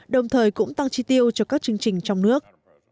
đồng thời cũng tăng chi tiêu cho các chương trình trong nước